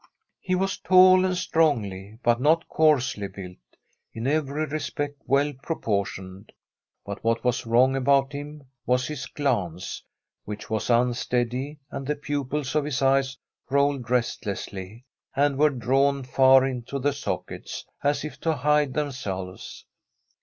He was tall, and strongly, but not coarsely, built ; in every respect well proportioned. But what was wrong about him was his glance, which was unsteady, and the pupils of his eyes rolled restlessly, and were drawn far into the sockets,, as if to hide themselves.